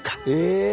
ええ！